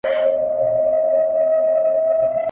د غم او د ښادۍ کمبلي ورکي دي له خلکو!.